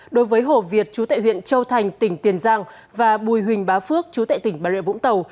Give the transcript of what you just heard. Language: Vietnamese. đối với hồ việt chú tại huyện châu thành tỉnh tiền giang và bùi huỳnh bá phước chú tại tỉnh bà rịa vũng tàu